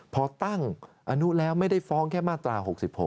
พอตั้งอนุแล้วไม่ได้ฟ้องแค่มาตรา๖๖